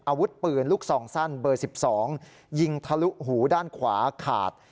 อาวุธปืนลูกซองสั้นเบอร์๑๒ยิงทะลุหูด้านขวาขาด